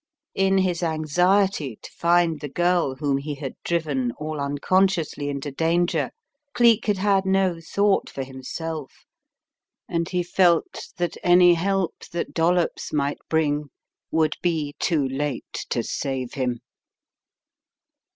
In his anxiety to find the girl whom he had driven all unconsciously into danger, Cleek had had no thought for himself, and he felt that any help that Dollops might bring would be too late to save him.